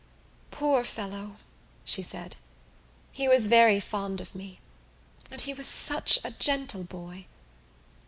"Poor fellow," she said. "He was very fond of me and he was such a gentle boy.